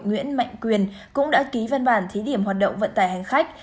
nguyễn mạnh quyền cũng đã ký văn bản thí điểm hoạt động vận tải hành khách